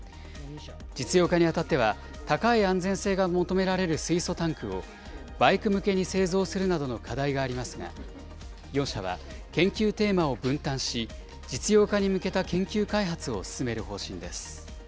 実用化にあたっては、高い安全性が求められる水素タンクを、バイク向けに製造するなどの課題がありますが、４社は研究テーマを分担し、実用化に向けた研究開発を進める方針です。